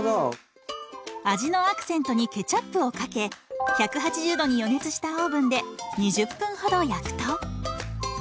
味のアクセントにケチャップをかけ１８０度に予熱したオーブンで２０分ほど焼くと。